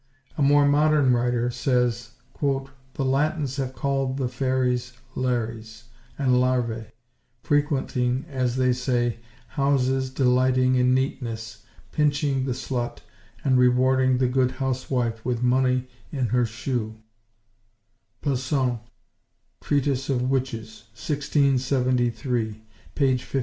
A more modern writer says "The Latins have called the fairies lares and larvæ, frequenting, as they say, houses, delighting in neatness, pinching the slut, and rewarding the good housewife with money in her shoe" (Pleasaunt Treatise of Witches, 1673, p. 53).